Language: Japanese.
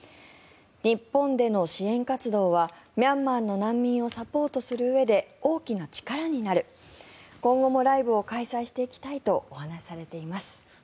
日本での支援活動はミャンマーの難民をサポートするうえで大きな力になる今後もライブを開催していきたいとお話しされています。